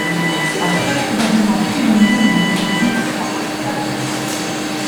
A très probablement pris le nom de son église paroissiale.